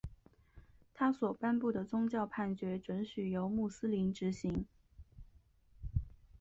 他所颁布的宗教判决准许由穆斯林执行。